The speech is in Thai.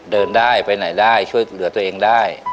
เดินได้ไปไหนได้ช่วยเหลือตัวเองได้